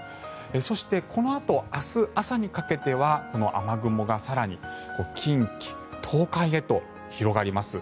そしてこのあと明日朝にかけてはこの雨雲が更に近畿、東海へと広がります。